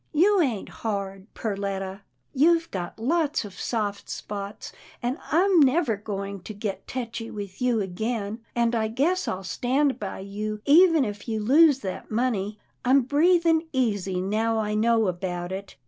" You ain't hard, Perletta. 302 'TILDA JANE'S ORPHANS You've got lots of soft spots, and I'm never going to get tetchy with you again — and I guess I'll stand by you, even if you lose that money. I'm breath ing easy now I know about it.